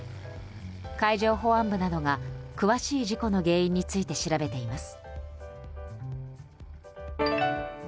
海上保安部などが詳しい事故の原因について調べています。